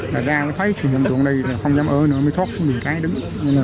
đã ra mới thấy sự hiện tượng này là không dám ở nữa mới thoát xuống biển cái đứng